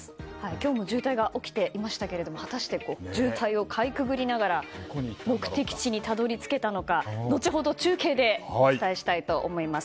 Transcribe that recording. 今日も渋滞が起きていましたが果たして渋滞をかいくぐりながら目的地にたどり着けたのか後ほど中継でお伝えしたいと思います。